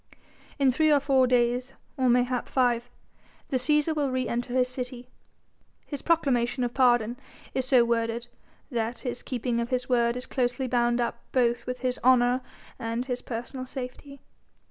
In three or four days, or mayhap five, the Cæsar will re enter his city. His proclamation of pardon is so worded that his keeping of his word is closely bound up both with his honour and with his personal safety.